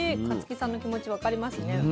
香月さんの気持ち分かりますね。